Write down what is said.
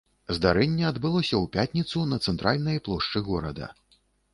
Здарэнне адбылося ў пятніцу на цэнтральнай плошчы горада.